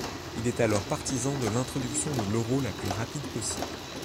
Il est alors partisan de l'introduction de l'euro la plus rapide possible.